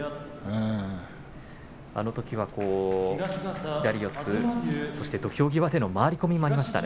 あのときは左四つ土俵際の回り込みもありました。